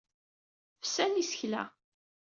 Fsan yisekla.